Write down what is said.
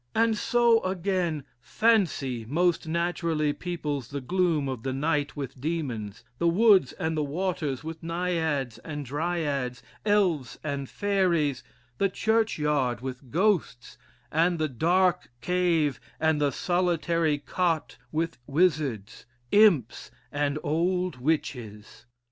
And so again, fancy most naturally peoples the gloom of the night with demons, the woods and the waters with naiads and dryads, elves and fairies, the church yard with ghosts, and the dark cave and the solitary cot with wizards, imps and old witches.